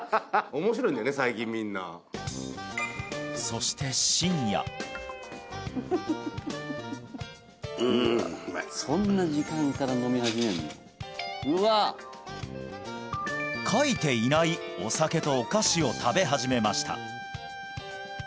そして深夜うんうまい書いていないお酒とお菓子を食べ始めました